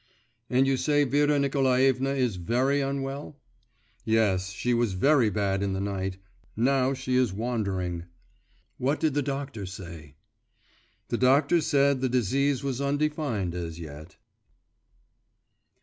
'And you say Vera Nikolaevna is very unwell?' 'Yes: she was very bad in the night; now she is wandering.' 'What did the doctor say?' 'The doctor said that the disease was undefined as yet.